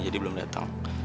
jadi belum datang